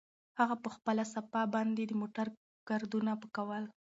هغه په خپله صافه باندې د موټر ګردونه پاکول.